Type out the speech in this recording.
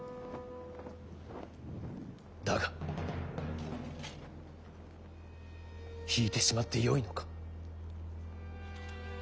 だが引いてしまってよいのか？